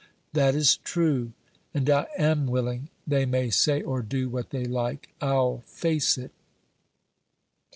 "That is true; and I am willing they may say or do what they like; I'll face it."